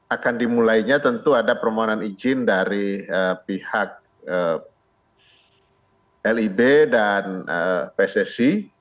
akan dimulainya tentu ada permohonan izin dari pihak lib dan pssi